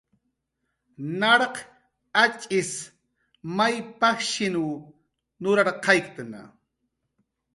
Narq atx'is may pajshiw nurarqayktna